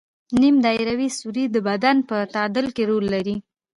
نیم دایروي سوري د بدن په تعادل کې رول لري.